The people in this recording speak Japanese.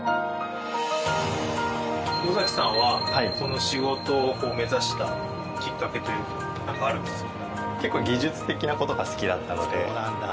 尾崎さんはこの仕事を目指したきっかけというかなんかあるんですか？